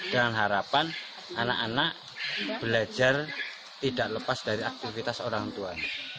dengan harapan anak anak belajar tidak lepas dari aktivitas orang tua